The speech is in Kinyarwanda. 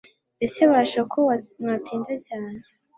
ese basha ko mwatinze cyane